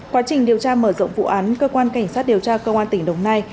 quá trình điều tra mở rộng vụ án cơ quan kỳnh sát điều tra công an tp đồng nai